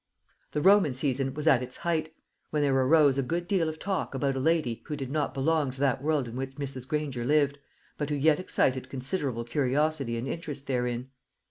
The Roman season was at its height, when there arose a good deal of talk about a lady who did not belong to that world in which Mrs. Granger lived, but who yet excited considerable curiosity and interest therein.